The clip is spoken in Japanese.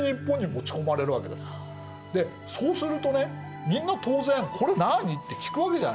でそうするとねみんな当然「これ何？」って聞くわけじゃないですか。